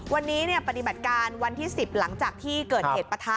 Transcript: วันนี้ปฏิบัติการวันที่๑๐หลังจากที่เกิดเหตุปะทะ